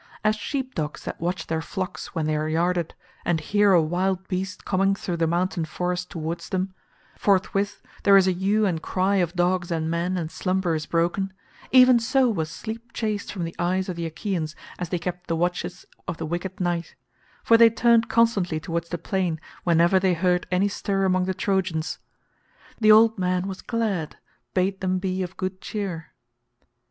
As sheep dogs that watch their flocks when they are yarded, and hear a wild beast coming through the mountain forest towards them—forthwith there is a hue and cry of dogs and men, and slumber is broken—even so was sleep chased from the eyes of the Achaeans as they kept the watches of the wicked night, for they turned constantly towards the plain whenever they heard any stir among the Trojans. The old man was glad and bade them be of good cheer.